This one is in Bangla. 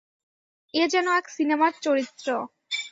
এ যেন এক সিনেমার চরিত্র।